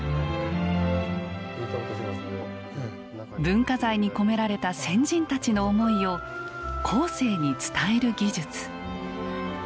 文化財に込められた先人たちの思いを後世に伝える技術。